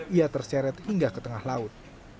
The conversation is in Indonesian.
ia terseret hingga ke tengah laut